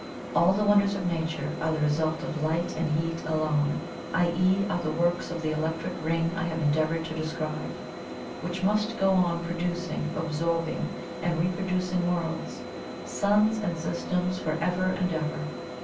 All the wonders of Nature are the result of LIGHT AND HEAT ALONE i.e., are the work of the Electric Ring I have endeavoured to describe, which MUST go on producing, absorbing and reproducing worlds, suns and systems for ever and ever.